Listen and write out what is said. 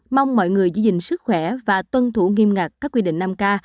mong mọi người giữ gìn sức khỏe và tuân thủ nghiêm ngặt các quy định năm k